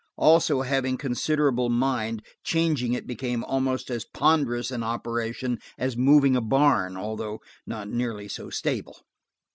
Also, having considerable mind, changing it became almost as ponderous an operation as moving a barn, although not nearly so stable.